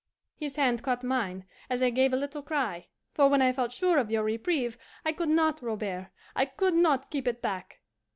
His hand caught mine, as I gave a little cry; for when I felt sure of your reprieve, I could not, Robert, I could not keep it back.